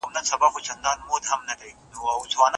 او د هغه عالي مفاهیم